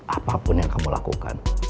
apapun yang kamu lakukan